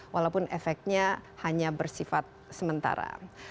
walaupun efeknya hanya bersifat sementara